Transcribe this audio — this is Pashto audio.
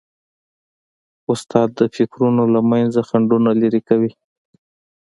استاد د فکرونو له منځه خنډونه لیري کوي.